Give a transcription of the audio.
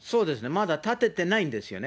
まだ立ててないんですよね。